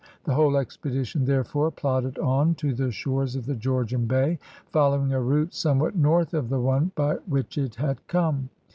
The whole expedition therefore plodded on to the shores of the Georgian Bay, following a route somewhat north of the one by which it had come.